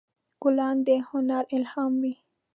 ګلان د هنر الهام وي.